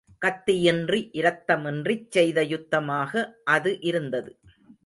கத்தியின்றி இரத்தமின்றிச் செய்த யுத்தமாக அது இருந்தது.